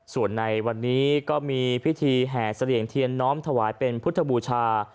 ส่วนในวันนี้ก็มีพิธีแห่เสลี่ยงเทียนน้อมถวายเป็นพุทธบูชา